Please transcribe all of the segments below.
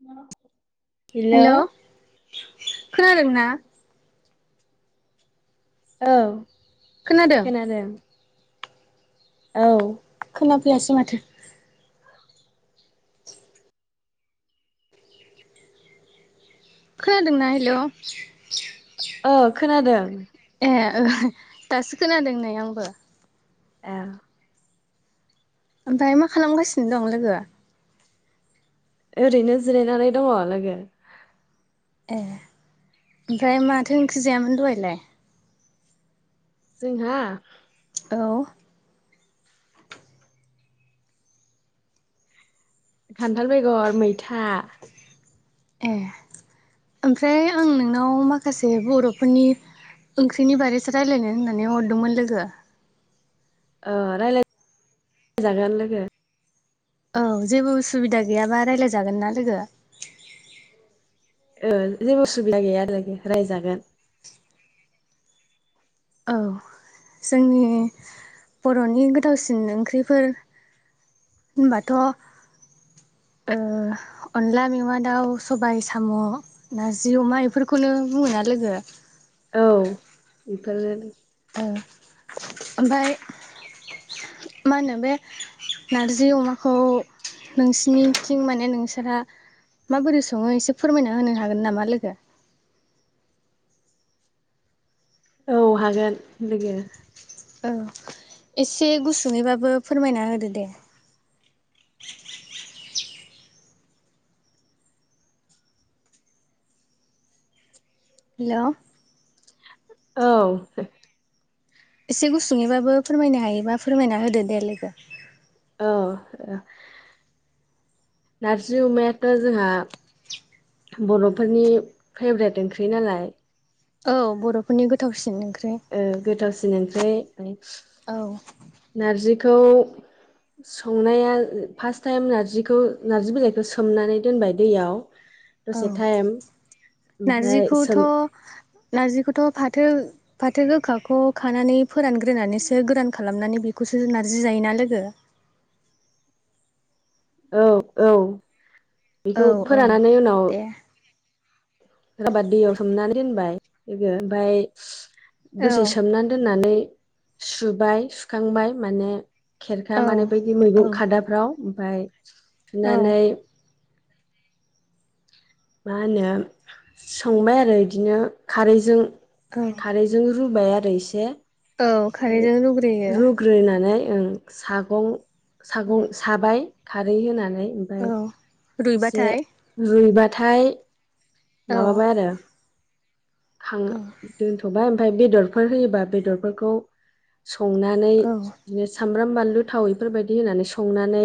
[unintelligible] हेल'। खोनादों ना? औ खोनादों। औ। जायासै माथो। खोनादोंना हेल'? अ खोनादों। ए ओ दासो खोनादों नै आंबो। ए। ओमफाय मा खालामगासिनो दं लोगोआ? ओरैनो जिरायनानै दङ' लोगो। ए ओमफ्राय माथो ओंख्रि जायामोन दहायलाय? जोंहा? औ। खान्थाल बेगर मैथा। ए ओमफ्राय आं नोंनाव माखासे बर'फोरनि ओंख्रिनि बारैसो रायलायनो होननानै हरदोंमोन लोगो। अ रायलाय जागोन लोगो। औ जेबो उसुबिदा गैयाबा रायलाय जागोन ना लोगो? ओ जेबो उसुबिदा गैया आरोखि रालाय जागोन। औ जोंनि बर'नि गोथावसिन ओंख्रिफोर होनबाथ' ओ अनला मेवा दाउ, सबाइ साम', नारजि अमा एफोरखौनो बुङो आ लोगो औ बेफोर ओ ओमफ्राय मा होनो बे नारजि अमाखौ नोंसिनिथिं माने नोंसोरा माबोरै सङो एसे फोरमायना होनो हागोन नामा लोगो औ हागोन लोगो औ एसे गुसुङैबाबो फोरमायना होदो दे हेल' औ एसे गुसुङैबाबो फोरमायनो हायोबा फोरमायना होदो दे लोगो औ नारजि अमायाथ' जोंहा बर'फोरनि फेभ्रेट ओंख्रि नालाय औ बर'फोरनि गोथावसिन ओंख्रि औ गोथावसिन ओंख्रि औ नारजिखौ संनाया फास्ट टाइम नारजिखौ नार्जि बिलाइखौ सोमनानै दोनबाय दैयाव औ दसे टाइम ओमफ्राय नारजिखौथ' सोम नारजिखौथ' फाथो फाथो गोखाखौ खानानै फोरानग्रोनानैसो गोरान खालामनानै बेखौसो नार्जि जायोना लोगो [inaudible] औ औ औ बेखौ औ फोरानानै उनाव दे राबा दैयाव सोमनानै दोनबाय लोगो ओमफाय दसे औ सोमनानै दोननानै सुबाय सुखांबाय माने खेरखा औ माने बैदि औ मैगं खादाफ्राव ओमफ्राय सुनानै मा होनो संबाय आरो बिदिनो खारैजों औ खारैजों रुबाय आरो एसे औ ओमफ्राय खारैजों रुग्रोयो रुग्रोनानै ओ सागं औ सागं साबाय खारै होनानै ओमफ्राय औ एसे रुइबाथाय रुइबाथाय औ माबाबाय आरो खां औ दोनथ'बाय ओमफाय बेदरफोर होयोबा बेदरफोरखौ संनानै औ बिदिनो सामब्राम बानलु थाव इफोरबायदि होनानै संनानै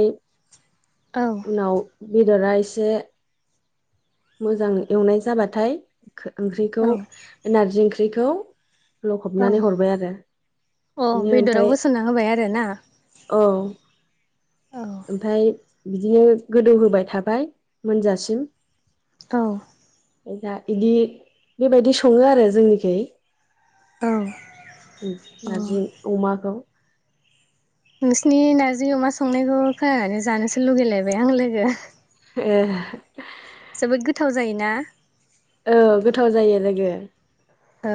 औ उनाव बेदरा एसे मोजां एवनाय जाबाथाय ओंख्रिखौ औ नारजि ओंख्रिखौ औ लखबनानै हरबाय आरो अ बिदिनो बेदराव ओमफ्राय होसनना होबाय आरो ना औ औ ओमफाय बिदिनो गोदौहोबाय थाबाय मोनजासिम औ दा इदि बेबायदि सङो आरो जोंनिखै औ औ नारजि अमाखौ नोंसिनि नार्जि अमा संनायखौ खोनानानै जानोसो लुगैलायबाय आं लोगो ए जोबोद गोथाव जायोना औ गोथाव जायो लोगो औ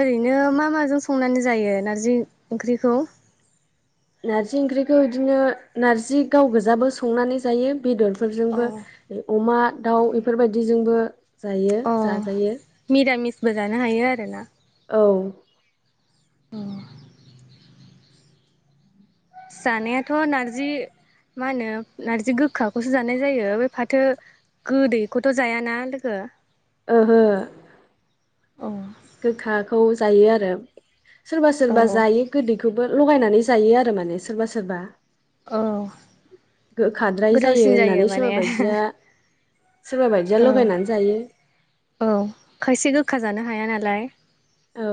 ओरैनो मा माजों संनानै जायो नारजि ओंख्रिखौ नार्जि ओंख्रिखौ इदिनो नार्जि गाव गोजाबो संनानै जायो बेदर अ फोरजोंबो अमा दाउ इफोरबायदिजोंबो अ मिरामिसबो जानो हायो आरो ना? औ। ओं। जानायाथ' नारजि मा होनो नारजि गोखाखौसो जानाय जायो बे फाथो गोदैखौथ' जायाना लोगो ओहो। औ। गोखाखौ जायो आरो सोरबा औ सोरबा जायो गोदैखौ बो लगायनानै जायो आरो माने सोरबा सोरबा औ गोखाद्राय जायो गोथावसिन होननानै माने सोरबा बायदिया सोरबा बायदिया औ लगायनानै जायो औ खायसे गोखा जानो हाया नालाय औ।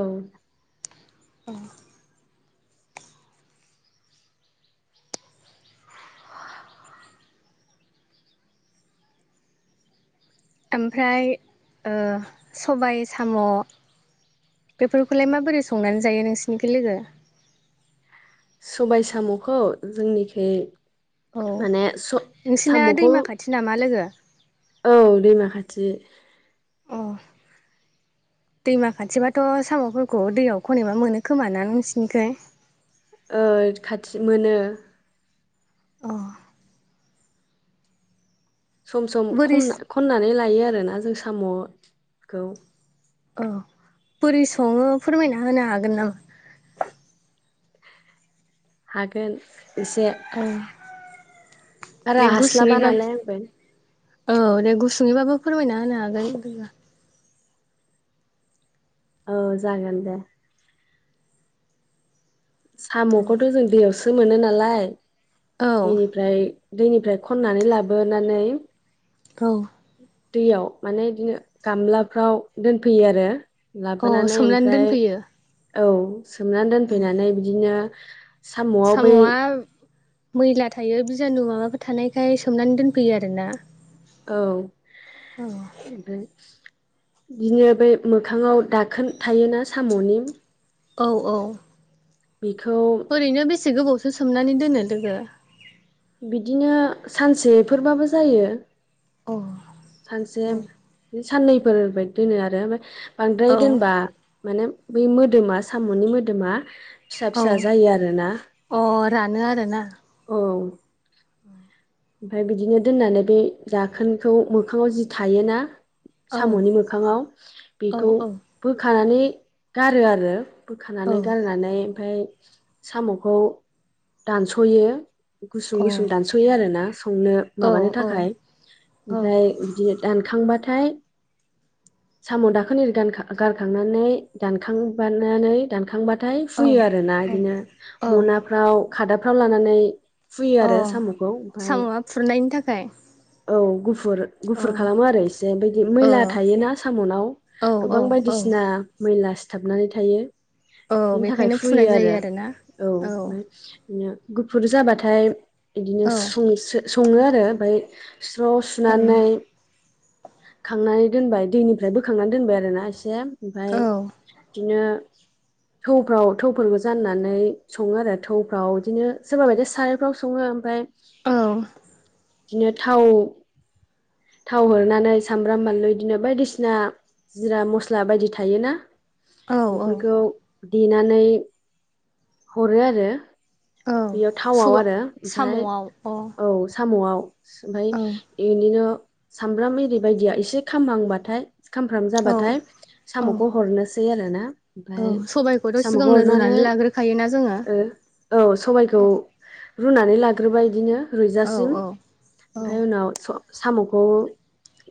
औ। ओमफ्राय ओ सबाय साम' बेफोरखौलाय माबोरै संनानै जायो नोंसिनिखो लोगो सबाय साम'खौ जोंनिखि औ माने स नोंसिना सामुखौखौ दैमा खाथि नामा लोगो? औ दैमा खाथि अ। दैमा खाथिबाथ' साम'फोरखौ दैयाव खनबा मोनो खोमााना नोंसिनिख ओ खाथि मोनो अ। सम सम खम बोरै खननानै लायो आरोोना जों साम'खौ। औ बोरै सङो फोरमायना होनो हागोन नामा? हागोन एसे। औ दे बारा हास्लाबा गुसुङैबा नालाय आंबो। औ दे गुसुङैबाबो फोरमायना होनो हागोन। औ जागोन दे। साम'खौथ' जों दैयावसो मोनो नालाय औ बेनिफ्राय दैनिफ्राय खननानै लाबोनानै औ। दैयाव माने बिदिनो गामलाफ्राव दोनफैयो आरो। औ लाबोनानै सोमनानै ओमफ्राय दोनफैयो औ सोमनानै दोनफैनानै बिदिनो साम'आव बै साम'आ मैला थायो बिजानु माबाफोर थानायखाय सोमनानै दोनफैयो आरो ना। औ ओमफ्राय बिदिनो बै मोखाङाव दाखोन थायोना साम'नि औ औ। बेखौ एसे गोबावसो सोमनानै दोनो लोगो? बिदिनो सानसेफोरबाबो जायो। अ सानसे औ साननैफोर बाय दोनो आरो ओमफ्राय बांद्राय औ दोनबा माने बै मोदोमा साम'नि मोदोमा फिसा फिसा औ जायो आरोना अ रानो आरोना औ। ओमफफ्राय बिदिनो दोननानै बे दाखोनखौ मोखाङाव जि थायोना औ साम'नि मोखाङाव औ बेखौ औ बोखानानै गारो आरो। अ बोखानानै गारनानै ओमफ्राय साम'खौ दानस'यो। गुसुं औ गुसुं दानस'यो आरोना। संनो माबानो औ थाखाय ओमफ्राय बिदिनो दानखांबाथाय साम' दाखोन गारखांनानै दानखांबनानै दानखांबा औ फुयो आरोना बिदिनो औ मनाफ्राव खादाफ्राव लानानै फुयो आरो अ साम'खौ ओमफ्राय साम'आ फुरनायनि थाखाय। औ गुफुर अ गुफुर खालामो आरो इसे बायदि ओ मैला थायोना साम'नाव। औ गोबां औ बायदिसिना मैला सिथाबनानै थायो। औ बिनि थाखाय बेखायनो फुयो फुनाय जायो आरो आरोना औ। बिदिनो गुफुर जाबाथाय बिदिनो औ सङो आरो ओमफ्राय स्र' औ सुनानै खांनानै दोनबाय दैनिफ्राय बोखांनानै दोनबाय आरोना एसेओमफ्राय बिदिनो थौफ्राव थौफोरखौ जाननानै सङो आरो थौफ्राव बिदिनो सोरबा बायदि सारायफ्राव सङो ओमफ्राय औ बिदिनो थाव थाव होनानै सामब्राम बानलु बिदिनो बायदिसिना जिरा मस्ला बायदि थायोना औ औ बेफोरखौ देनानै हरो आरो औ बेयाव थावआव सबा आरो ओमफाय साम'आव अ औ साम'आव ओमफफ्राय औ बिदिनो सामब्राम आरि बायदिया एसे खामहांबाथाय खामफ्राम औ जाबाथाय साम'खौ हरनोसै आरोना। औ ओमफ्राय सबायखौथ' साम'खौ सिगांनो हरनानै रुनानै लाग्रोखायोना जोङो ओ औ सबायखौ औ रुनानै लाग्रोबाय बिदिनो औ रुइजासिम ओमफ्राय उनाव साम'खौ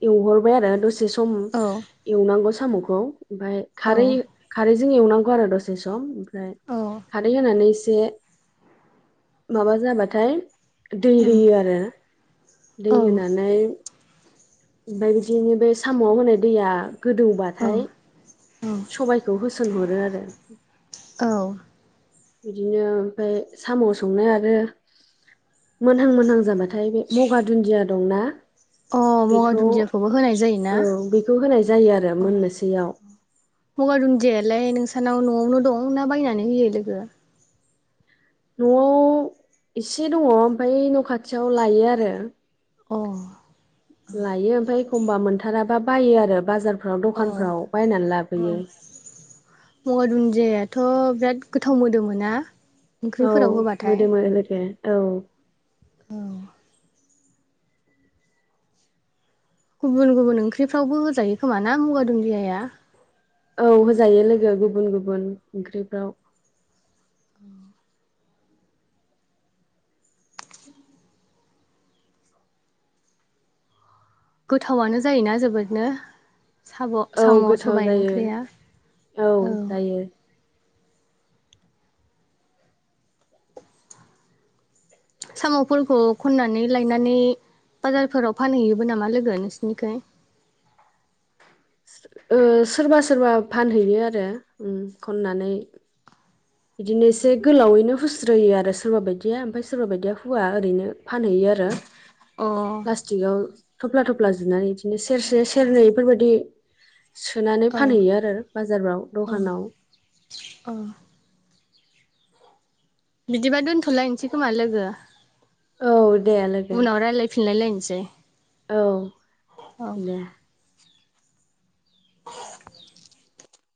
एवहरबाय आरो दसे सम एवनांगौ साम'खौ। ओमफ्राय खारै खारै बिदि एवनांगौ आरो दसे सम ओमफ्राय खारै होनानै एसे माबा जाबाथाय दै होयो आरो औ दै होनानै ओमफ्राय बिदिनो बे साम'आव होनाय दैया गोदौबाथाय सबायखौ होसोनहरो आरो। औ बिदिनो ओमफ्राय साम' सङो। आरो मोनहां मोनहां जाबाथाय बे मगा दुन्दिया दंना? अ गंगार बेखौ दुन्दियाखौबो होनाय जायोना औ बेखौ होनाय जायो आरो मोननोसैयाव। मगार दुनदियालाय नोंसानाव न'आवनो दं ना बायनानै होयो लोगो न'आव एसे दङ ओमफ्राय न' खाथियाव एसे लायो आरो अ लायो ओमफ्राय एखमबा मोनथाराबा बायो आरो बाजारनिफ्राइ औ औ मगा दुन्दियाायाथ' बिराद गोथाव मोदोम मोना? औ मोदोमो लोगो‌ औ औ गुबुन गुबुन ओंख्रिफ्रावबो होजायो खोमा ना मुगा दुदियाया? औ होजायो लोगो गुबुन गुबुन ओंख्रिफ्राव। गोथावनो जायोना जोबोदनो? औ साम' गोथाव सबाय जायो ओंख्रिया औ। साम'फोरखौ खननानै लायनानै बाजारफोराव फानहैयोबो नामा लोगो नोंसिनिखाय ओ सोरबा सोरबा फानहैयो आरो उम खननानै बिदिनो एसे गोलावैनो हुस्रोयो आरो सोरबा बायदिया ओमफाय सोरबा बायदिया हुवा ओरैनो फानहैयो आरो अ प्लास्टिकआव थफ्ला थफ्ला जुनानै बिदिनो सेरसे सेरनै इफोरबायदि। सोनानै औ फानहैयो आरो बाजारफ्राव दखानाव। औ बिदिबा दोन्थ'लायनोसै खोमा लोगो औ दे लोगो उनाव रायलायफिनलायलाय सै। औ दे।